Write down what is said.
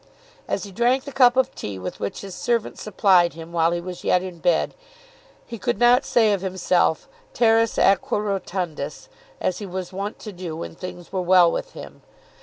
As he drank the cup of tea with which his servant supplied him while he was yet in bed, he could not say of himself, teres atque rotundus, as he was wont to do when things were well with him.